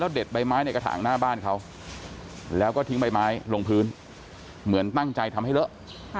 เด็ดใบไม้ในกระถางหน้าบ้านเขาแล้วก็ทิ้งใบไม้ลงพื้นเหมือนตั้งใจทำให้เลอะ